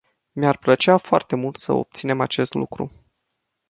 Mi-ar plăcea foarte mult să obținem acest lucru.